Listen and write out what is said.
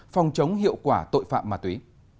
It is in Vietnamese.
phòng chống hiệu quả tội phạm ma túy